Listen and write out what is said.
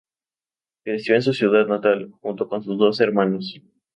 Creció en su ciudad natal, junto con sus dos hermanos.